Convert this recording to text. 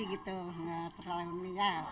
gak perlu lagi ya